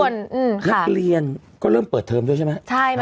นขเรียนก็เริ่มเปิดเทอมใช่ไหม